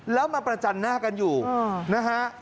แล้วมาประจันหน้ากันอยู่นะฮะ